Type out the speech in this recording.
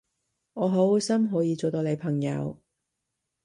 我好開心可以做到你朋友